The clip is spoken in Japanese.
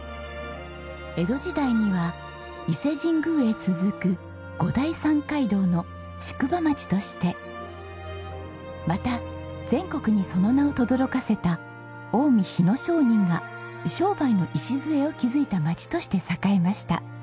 江戸時代には伊勢神宮へ続く御代参街道の宿場町としてまた全国にその名をとどろかせた近江日野商人が商売の礎を築いた町として栄えました。